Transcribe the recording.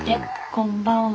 こんばんは。